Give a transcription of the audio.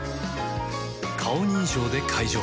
顔認証で解錠